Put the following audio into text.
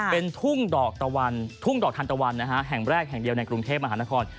เป็นทุ่งดอกทันตะวันแห่งแรกแห่งเดียวในกรุงเทพอาหารทะคอน